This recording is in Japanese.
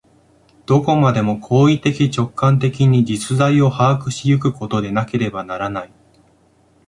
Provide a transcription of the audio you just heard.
どこまでも行為的直観的に実在を把握し行くことでなければならない。